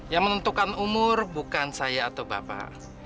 yang menentukan umur bukan saya atau bapak